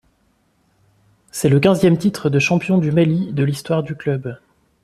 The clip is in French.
C'est le quinzième titre de champion du Mali de l'histoire du club.